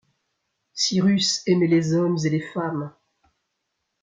Cyrus aimait les hommes et les femmes.